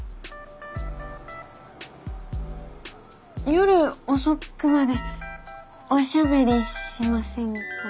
夜遅くまでおしゃべりしませんか？